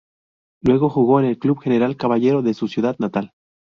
Luego jugó en el club General Caballero de su ciudad natal.